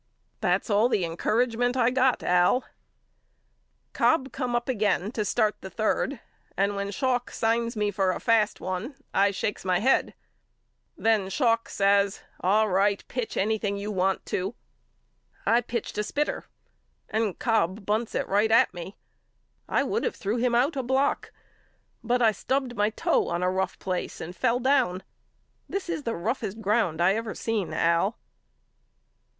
That's all the encouragement I got AL Cobb come up again to start the third and when Schalk signs me for a fast one I shakes my head. A BUSKER'S LETTERS HOME 41 Then Schalk says All right pitch anything you want to. I pitched a spitter and Cobb bunts it right at me. I would of threw him out a block but I stubbed my toe in a rough place and fell down. This is the roughest ground I ever seen Al.